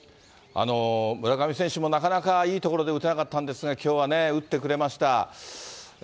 村上選手もなかなかいいところで打てなかったんですが、きょうはね、打ってくれました。